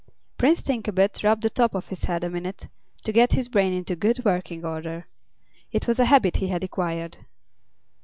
Prince Thinkabit rubbed the top of his head a minute, to get his brain into good working order. It was a habit he had acquired.